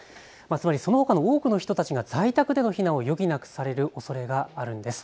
そのほかの多くの人たちが在宅での避難を余儀なくされるおそれがあるんです。